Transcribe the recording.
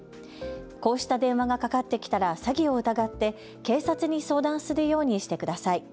こうした電話がかかってきたら詐欺を疑って、警察に相談するようにしてください。